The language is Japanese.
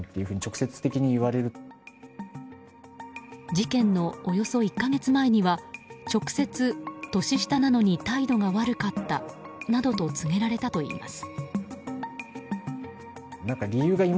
事件のおよそ１か月前には直接年下なのに態度が悪かったなどと告げられたといいます。